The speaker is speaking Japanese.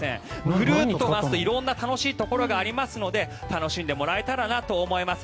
ぐるっと回すと色んな楽しいところがあるので楽しんでもらえたらなと思います。